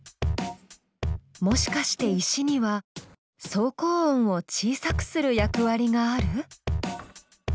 もしかして石には走行音を小さくする役割がある？